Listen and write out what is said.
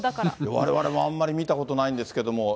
われわれもあんまり見たことないんですけども。